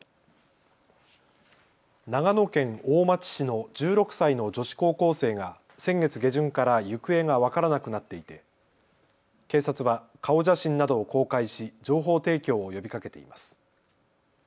長野県大町市の１６歳の女子高校生が先月下旬から行方が分からなくなっていて警察は顔写真などを公開し情報提供を呼びかけています。